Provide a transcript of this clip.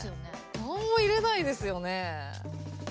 何も入れないですよね。